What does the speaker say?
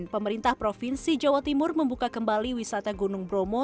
pemerintah provinsi jawa timur membuka kembali wisata gunung bromo